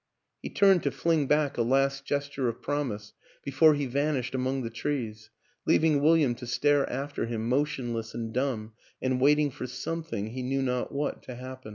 He turned to fling back a last gesture of promise before he vanished among the trees, leaving William to stare after him, motionless and dumb, and waiting for something, he knew not what, to happen.